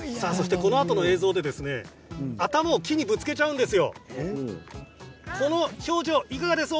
このあとの映像で頭を木にぶつけちゃうんですよ、この表情、いかがですか。